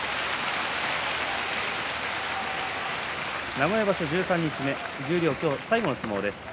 名古屋場所十三日目十両最後の相撲です。